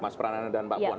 mas prana dan mbak puan